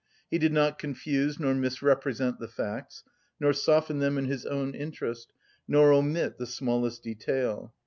He did not confuse nor misrepresent the facts, nor soften them in his own interest, nor omit the smallest detail.